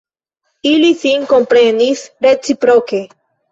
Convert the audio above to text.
Ili sin komprenis reciproke.